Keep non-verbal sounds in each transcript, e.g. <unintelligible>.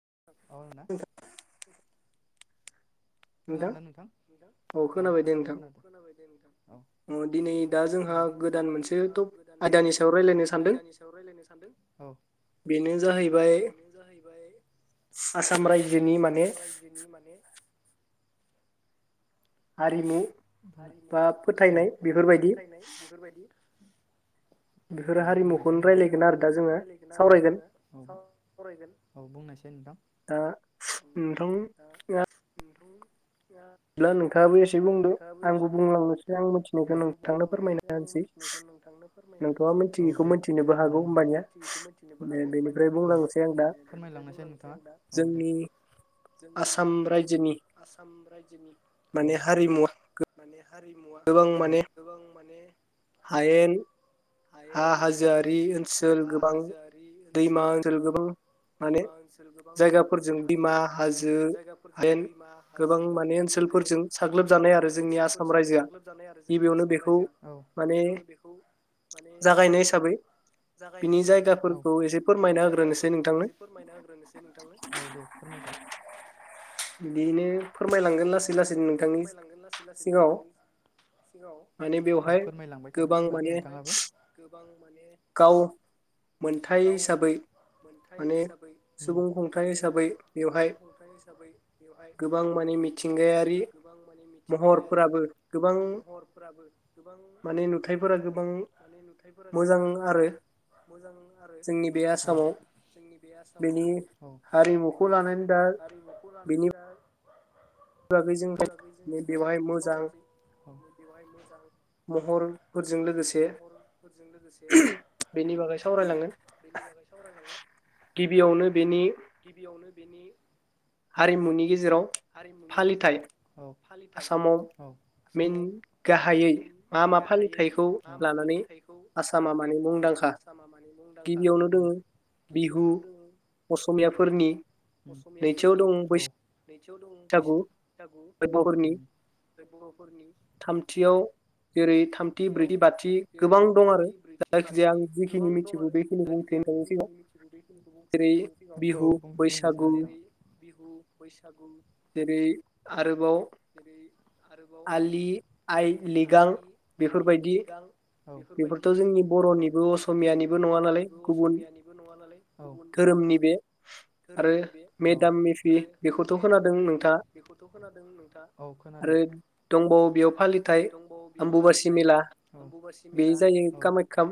<unintelligible> खोनादोंना नोंथां नोंथां औ खोनादों खोनादों औ खोनाबाय दे नोंथां औ दिनै दा जोंहा गोदान मोनसे टप आयदानि सायाव रायलायनो सानदों औ बेनो जाहैबाय आसाम रायजोनि माने हारिमु हारिनि औ बा फोथायनाय बेफोरबायदि औ बुंनायसाय नोंथां हारिमुखौनो रायज्लायगोन आरो दा जोङो साव फरायगोन औ बुंनायसै दा नोंथांआ ब्ला नोंथांआबो एसे बुंदो आंबो बुंलांनोसै आ मिथिनायखौ नोंथांनो फोरमायना होनोसै औ दे फोरमायलां नोंथां नोंथाङा मिथियिखौ मिथिनोबो हागौ ओमबानिया <unintelligible> औ दे जोंनि आसाम रायजोनि माने हारिमुवा माने हारिमुवा गोबां माने हायेन हायेन हा हाजोआरि ओनसोल गोबां दैमा ओनसोल गोबां माने जायगाफोरजों दैमा हाजो हायेन गोबां माने ओनसोलफोरजों साग्लोबजानाय आरो जोंनि आसाम रायजोआ औ गिबियावनो बेखौ जागायनाय हिसाबै औ बिनि जायगाफोरखौ एसे फोरमायना होग्रोनोसै नोंथांनो औ दे फोरमायसै बेनो फोरमायलांगोन लासै लासै नोंथांनि सिङाव माने बेवहाय गोबां माने बां माने गाव मोनथाय हिसाबै माने सुबुं खुंथाइ हिसाबै बेवहाय माने मिथिंगायारि महरफोराबो गोबां माने नुथायफोरा गोबां मोजां मोजां आरो औ जोंनि बे आसामाव औ बिनि हारिमुखौ लानानै दा बेनि बागै जों सावरायनोसै बेवहाय मोजां महरफोरजों लोगोसे बेनि बागै सावरायलाङो गिबियावनो बेनि हारिमुनि गेजेराव हारिमुनि गेजेराव औ फालिथाइ आसामाव <unintelligible> गाहायै लामा फालिथायखौ लानानै आसामा माने मुंदांखा गिबियावनो दोङो बिहु असमियाफोरनि औ <unintelligible> दं बैसागु उ बर'फोरनि थामथियाव जेरै थामथि ब्रैथि बाथि गोबां दं आरो जायखिजाया आं जिखिनि मिथिगौ बेखिनिखौ बुंथिनो नोंथांनि सिगाङाव औ बुं बुंनायसाय जेरै बिहु बैसागु जेरै आरोबाव जेरै आरोबाव आलि आइ लिगां औ बेफोरबायदि बेफोरथ' जोंनि बर'निबो असमियानिबो नङा नालाय औ गुबुन धोरोमनि बे औ आरो मेदाम मेफि बेखौथ' खोनादों नों औ खोनादों आरो दंबावो बेयाव फालिथाय औ बे जायो कामाख्या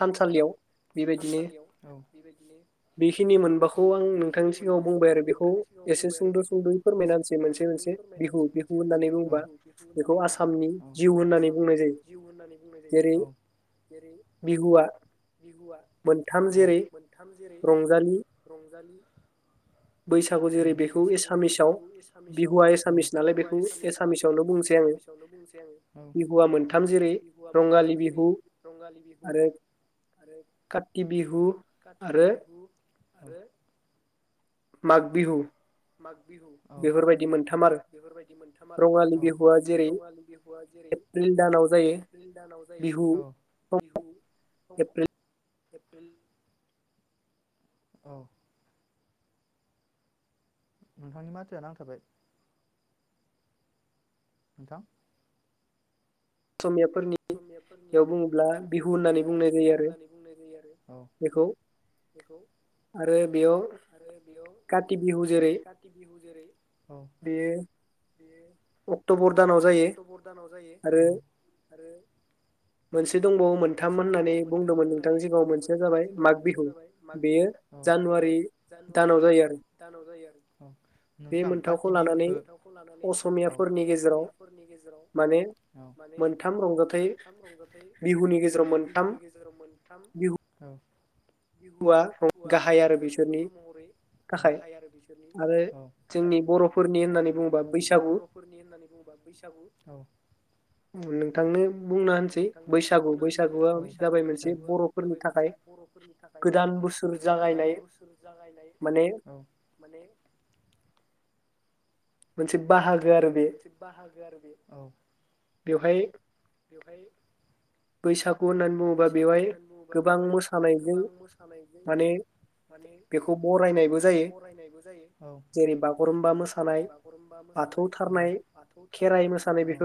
थानसालियाव बेबायदिनो बेखिनि मोनबाखौ आं नोंथांनि सिगाङाव बुंबाय आरो बेखौ एसे सुंद' सुंद'यै फोरमायना होसै मोनसे मोनसे फोरमायना होनो सै मोनसे मोनसे बिहु बिहु होननानै बुङोबा बेखौ आसामनि जिउ होननानै बुंनाय औ जेरै बिहुआ औ मोनथाम जेरै रंजालि बैसागु जेरै बेखौ एसामिसाव बिहुवा औ बिहुआ एसामिस नालाय बेखौ एसामिसावनो बुंनोसै आङो औ बिहुआ मोनथाम जेरै रङालि बिहु आरो काति बिहु आरो माग बिहु माग बिहु औ बेफोरबायदि मोनथाम आरो औ रङालि बिहुआ जेरै एप्रिल दानाव जायो औ बिहु समाव एप्रिल औ नोंथांनि माथोया नांथाबाय नोंथां असमिया फोरनियाव बुङोब्ला बिहु होननानै बुंनाय जायो आरो बेखौ आरो बेयाव काति बिहु जेरै खौ जेरै बेयो अक्ट'बर दानाव जायो आरो मोनसे मोनसे दंबावो मोनथाममोन होननानै बुंदोंमोन नोंथांनि सिगाङाव मोनसेया जाबाय माग बिहु औ बेयो जानुवारि दानाव जायो आरो औ नोंथां काति बिहुखौ बे थामखौ लानानै औ असमियाफोरनि गेजेराव औ माने मोनथाम रंजाथाइ बिहुनि गेजेराव मोनथाम औ बिहु हुवा रंजाथाइ फोरबो महरै उ गाहाय आरो बिसोरनि औ थाखाय आरो जोंनि बर'फोरनि होननानै बुङोबा बैसागु औ नोंथांनो नोंथांनो बुंना होनसै औ दे बैसागु बैसागुआ जाबाय मोनसे बर'फोरनि थाखाय गोदान बोसोर जागायनाय औ माने मोनसे बाहा मोनसे बाहागो आरो बेयो औ बेवहाय बैसागु बैसागु होननानै बुङोबा बेवहाय गोबां मोसानायजों माने बेखौ बरायनायबो जायो ज बागुरुमबा मोसानाय बाथौथारनाय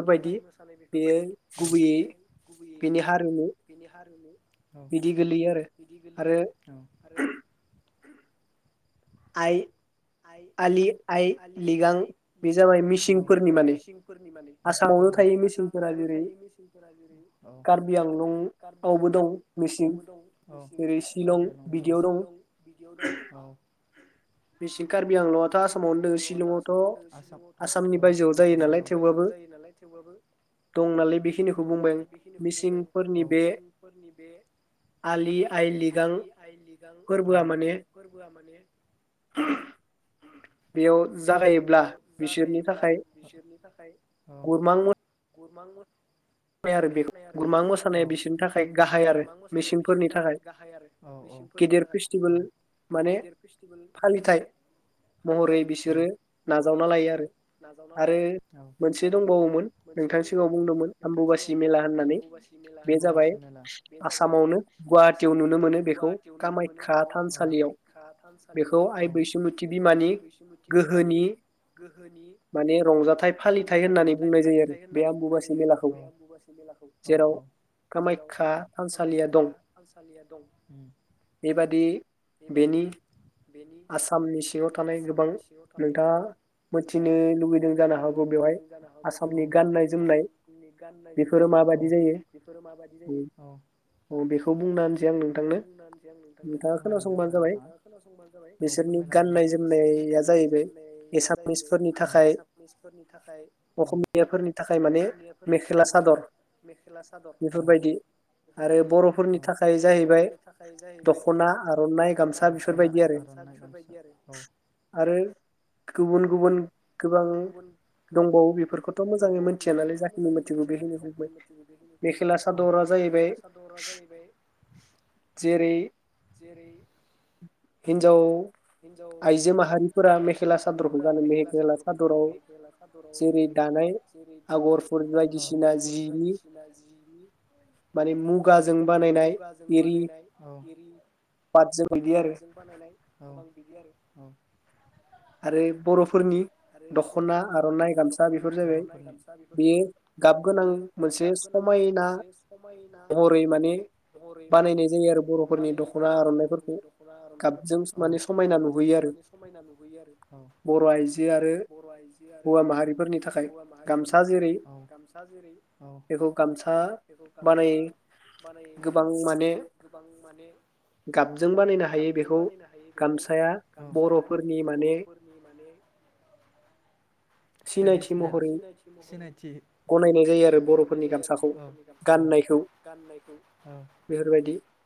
खेराइ मोसानाय बेफोरबायदि बेयो गुबैयै <unintelligible> बिनि हारिमु औ बिदि गोलैयो आरो औ आरो आइ आइ आलि आइ लिगां बे जाबाय मिसिंफोरनि म मिसिंफोरनि आसामावनो थायो मिसिंफोरा जेरै कार्बि आंलंआवबो दं बि आ शिलं बिदियाव दं औ इसिं कार्बि आंल'आथ' आसामावनो आसामावथ' सानौ बायजोआव जायो नालाय थेवबाबो दं नालाय बेखिनिखौ बुंबाय आं इसिंफोरनि बे आलि आइ लगां फोरबोआ माने <unintelligible> बेयाव बेयाव जागायोब्ला बिसोरनि थाखाय गुरमां आरो बेखौ गुरमा मोसानाया बिसोरनि थाखाय गाहाय आरो बिसिनफोरनि थाखाय गेदिर फेस्टिभेल माने फालिथाय महरै बिसोरो नाजावना लायो आरो आरो मोनसे दंबावोमोन नोंथां बुं आम्बुुबासि मेला बे जाबाय आसामावनो गुवाहाटियाव नुनो मोनो बेखौ कामाख्या थानसालियाव बेखौ आइ बैसुमुति बिमानि गोहोनि माने रंजाथाइ फालिथायाइ होननानै बुंनाय जायो आरो जेराव कामाख्या थानसालिया दं बेबादि बेनि आसामनि सिङाव थानाय गोबां नोंथाङा मिथिनो लुुबैदों जानो हागौ बेवहाय आसामनि गाननाय जोमनाय बेफोरो माबायदि जायो औ बेखौ बुंना होनसै आं नोंथांनो नोंथाङा खोनासंबानो जाबाय बिसोरनि गाननाय जोमनाया जाहैबाय एसामिसफोरनि थाखाय असमियाफोरनि थाखाय माने थाखाय माने मेखेला सादर बेफोरबायदि आरो बर'फोरनि थाखाय जाहैबाय दख'ना खनाय गामसा बेफोरबायदि आरो आरो गुबुन गुबुन गोबां दंबावो बेफोरखौथ' ममबाथिखौ मिथियानानै जाखिनि मोननोबे मेखेला सादरा जाहैबाय जेरै जौ हिनजाव आइजो माहारिफोरा मेखेला सादरखौ गानो मेखेला सादराव जेरै दानाय आबरफोर बायदिसिना जिनि मान मुगाजों बानायनाय एरि पादजों बानायनाय गोबां बिदि आरो औ आरो बर' आरो बर'फोरनि दख'ना आर'नाइ गामसा बेफोर जाहबाय बेयो गाब गोनां मोनसे समायना महरै माने बानायनाय जायो आरो बर'फोरनि दख'ना आर'नाइफोरखौ गाबजों माने समायना <unintelligible> नुयो आरो औ बर' आइजो आरो हौवा माहारिफोरनि थाखाय गामसा जेरै बेखौ गामसा बानायै गोबां माने गाबजों बानायनो हायो बेखौ गामसाया बर'फोरनि माने ट्रेडिसनेल सिनायथि सिनायथि गनायनाय जायो आरो बर'नि गाननायखौ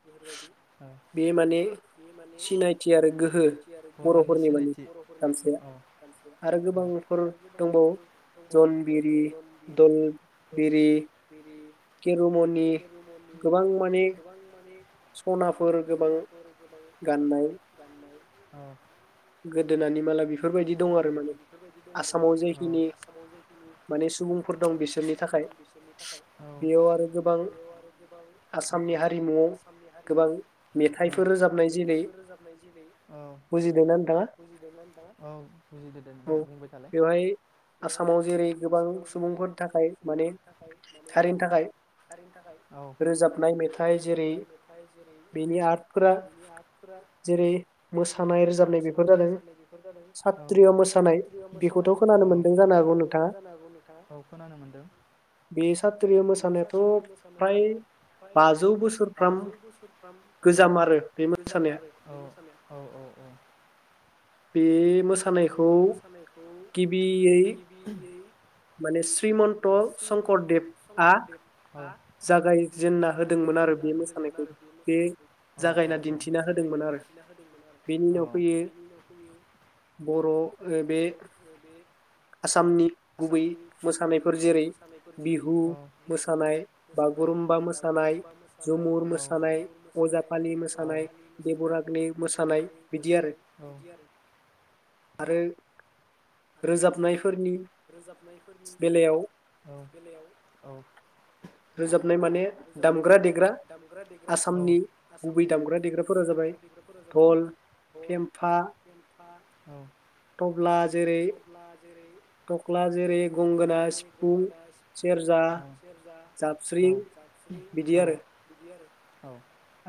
बेफोरबायदि बे माने सिनायथि आरो बर'फोरनि माने गामसाया आरो गोबां आरो गोदान फोरफोरखौ बलगिरि दलगिरि केर'म'नि गोबां माने सनाफोर गोबां गाननाय गोदोनानि माला बेफोरबायदि दं आरो माने बिदि दं आरो माने आसामाव जिखिनि माने सुबुंफोर दं बिसोरनि थाखाय औ बेयाव आरो गोबां आसामनि हारिमुआव औ मेथाइखौ रोजाबनाय जेरै औ बुजिदोंना नोंथां औ बुजिदों नोंथां बुंबाय बेवहाय आसामाव जेरै गोबां सुबुंफोर थाखाय माने हारिनि थाखाय औ रोजाबनाय मेथाइ जेरै बिनि आखफोरा जेरै मोसानाय रोजाबनाय बेफोर जादों औ सात्रिय मोसानाय। औथ' खोनानो मोनदों जानोागौ नोंथाङा? औ खोनानो मोनदों। बे साथ्रिय मोसानायखौ' फ्राय बाजौ बोसोरफ्राम गोजाम आरो मोसानाया औ। बे मोसानायखौ गिबियै माने माने श्रीमन्त शंकरदेब जागायजेनना होदोंमोन आरो बे मोसानायखौ जागायना दिन्थिना होदोंमोन आरो बेनि उनाव फैयो बर'नो बे आसामनि गुबै मोसानायफोर जेरै बिहु मोसानाय, बागुरुम्बा मोसानाय, जुमुर मोसानाय, रपालि मोसानाय बेबरागै मोसानाय बिदि आरो रोजाबनायफोरनि रोजाबनायफोरनि औ बेलायाव औ रोजाब रोजाबनाय माने दामग्रा देग्रा औ आसामनि गुबै दामग्रा देग्राफोरा जादों दल, पेमफा। औ। थफ्ला जेरै थख्ला जेरै गंगोना, सिफुं, सेरजा, जाबस्रिं। औ <unintelligible>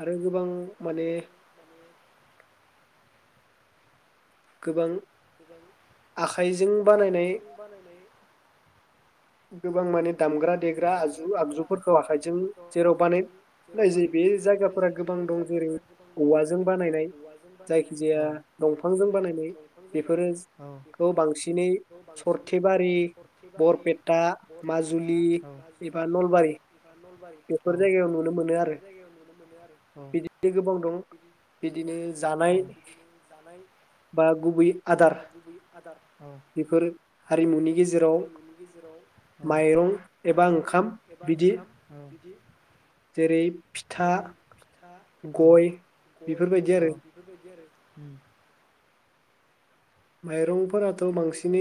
आरो गोबां माने गोबां। गोबां आखाइजों बानायनाय गोबां माने दामग्रा-देग्रा आगजु आगजुफोरफोरखौ बाहायजों जेराव बानायनाय जायो बे जायगाफोरा गोबां दं जेरै औवाजों बानायनाय जायखिजाया दंफांजों बानायनाय बेफोरो बांसिनै सरथेबारि आ माजु दा माजुलि एबा नलबारि औ बेफोर जायगायाव नुनो मोनो आरो औ बिदि बावदों औ बिदिनो जानाय बा जुबै आदार औ बेफोर हारिमुनि गेजेराव औ माइरं एबा ओंखाम बिदि ओम बिदि जेरै फिथा गय बेफोर बादि आरो। उम माइरं औ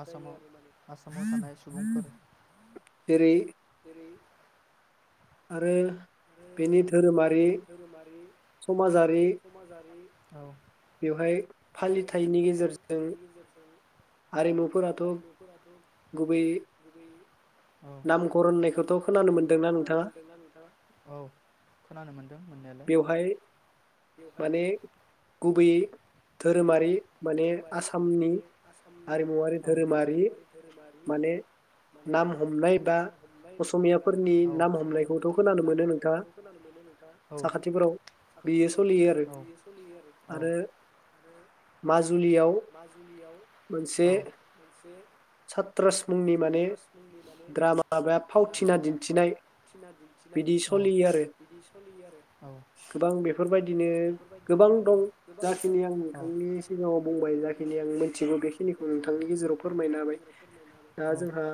आसामाव आसामाव थानाय सुबुंफोर जेरै आरो बेनि धोरोमारि समाजारि औ बेवहाय फालिथायनि गेजेरजों हारिमुफोराथ गुबैयै नामधर होनायखोथ खोनानो मोनदोंना नोंथाङा? औ खोनानो मोनदों। मोननायालाय बेवहाय माने गुबै धोरोमारि माने आसामनि हारिमुवारि धोरोमारि माने नाम हमनाय दा असमियाफोरनि <inaudible> साखाथिफोराव बियो सलियो आरो आरो माजुलियाव औ सात्रास मुंनि माने ड्रामबा फावथिना दिन्थिनाय बिदि औ औ औ। दा जोंहा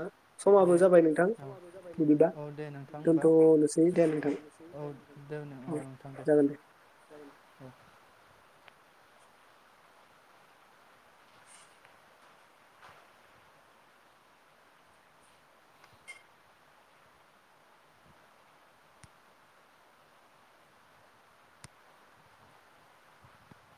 समाबो जाबाय नोंथां बिदिबा दनथ नोसै औ दे नों औ नोंथां दे औ।